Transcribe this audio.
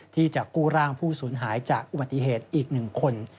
ที่จะกู้ร่างผู้สูญหายจากอุบัติเหตุอีก๑คน